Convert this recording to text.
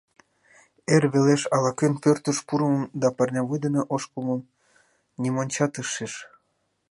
Эр велеш ала-кӧн пӧртыш пурымым да парнявуй дене ошкылмым нимончат ыш шиж.